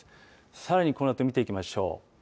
さらにこのあと見ていきましょう。